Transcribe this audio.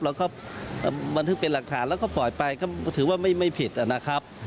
บันทึกเป็นหลักฐานแล้วก็ปล่อยไปก็ถือว่าไม่ผิดนะครับ